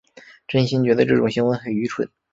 真心觉得这种行为很愚蠢